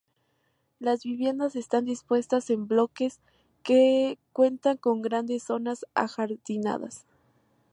Las viviendas estás dispuestas en bloques que cuentan con grandes zonas ajardinadas.